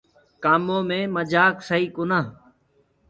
ڪآمو مي مجآڪ سئي ڪونآ۔